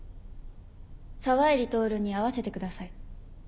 沢入徹に会わせてください。